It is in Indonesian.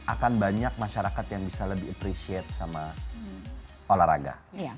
akan banyak masyarakat yang bisa lebih appreciate sama olahraga